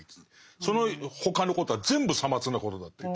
そのほかのことは全部さまつなことだ」っていって。